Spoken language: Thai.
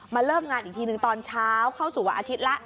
เริ่มงานอีกทีหนึ่งตอนเช้าเข้าสู่วันอาทิตย์ละ